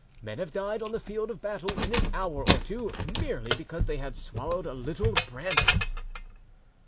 Men have died on the field of battle in an hour or two merely because they had swallowed a little brandy."